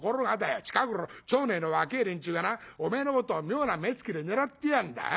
近頃町内の若え連中がなおめえのことを妙な目つきで狙ってやがんだ。